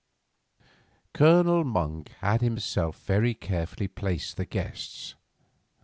Colonel Monk had himself very carefully placed the guests.